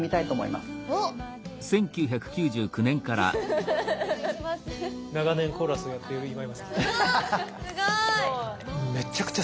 すごい。